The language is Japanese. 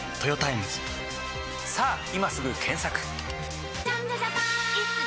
さぁ今すぐ検索！